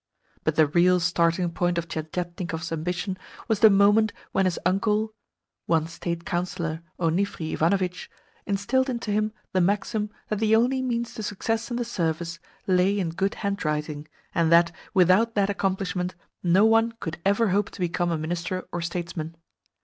But the real starting point of Tientietnikov's ambition was the moment when his uncle (one State Councillor Onifri Ivanovitch) instilled into him the maxim that the only means to success in the Service lay in good handwriting, and that, without that accomplishment, no one could ever hope to become a Minister or Statesman.